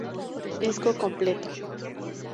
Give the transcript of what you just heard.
Disco completo.